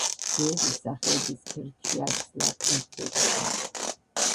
ბევრი სახეობის ქერქში არის ლაფნის ბოჭკო.